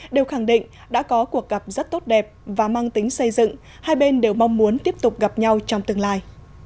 đều khẳng định đã có cuộc gặp rất tốt đẹp và mang tính xây dựng hai bên đều mong muốn tiếp tục gặp nhau trong tương lai